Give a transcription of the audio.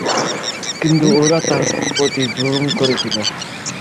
কিন্তু ওরা তার প্রতি জুলুম করেছিল।